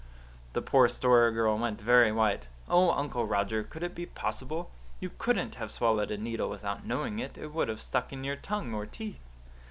The poor Story Girl went very white. "Oh, Uncle Roger, could it be possible? You COULDN'T have swallowed a needle without knowing it. It would have stuck in your tongue or teeth."